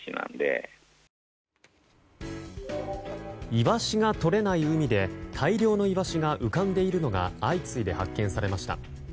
イワシがとれない海で大量のイワシが浮かんでいるのが相次いで発見されました。